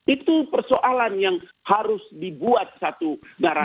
itu persoalan yang harus dibuat satu negara